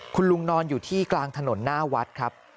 คุณลุงนอนอยู่ที่กลางถนนหน้าวัดครับ